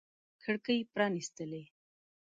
کړکۍ پرانیستلي